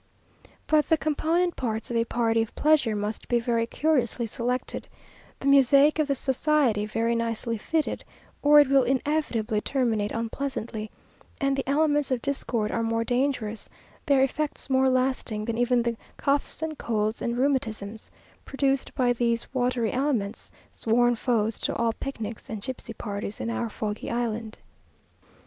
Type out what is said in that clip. But the component parts of a party of pleasure must be very curiously selected, the mosaic of the society very nicely fitted, or it will inevitably terminate unpleasantly; and the elements of discord are more dangerous, their effects more lasting, than even the coughs and colds and rheumatisms produced by those watery elements, sworn foes to all picnics and gipsy parties in our foggy island.